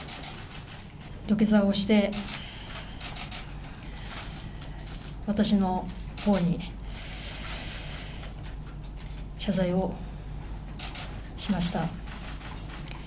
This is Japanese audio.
土下座をして、私のほうに謝罪をしました。